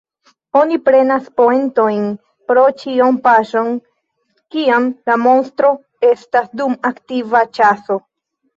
Oni prenas poentojn pro ĉion paŝon kiam la monstro estas dum aktiva ĉaso.